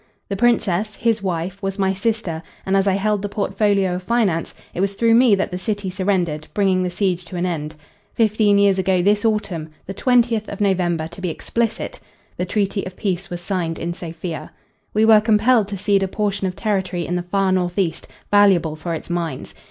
The Princess, his wife, was my sister, and as I held the portfolio of finance, it was through me that the city surrendered, bringing the siege to an end. Fifteen years ago this autumn the twentieth of November, to be explicit the treaty of peace was signed in Sofia. We were compelled to cede a portion of territory in the far northeast, valuable for its mines.